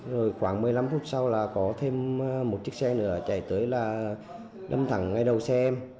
rồi khoảng một mươi năm phút sau là có thêm một chiếc xe nữa chạy tới là đâm thẳng ngay đầu xe em